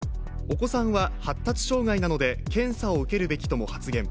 ７月には保護者に、お子さんは発達障害なので検査を受けるべきとも発言。